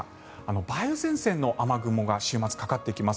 梅雨前線の雨雲が週末にかかってきます。